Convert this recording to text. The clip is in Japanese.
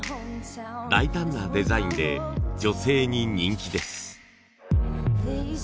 大胆なデザインで女性に人気です。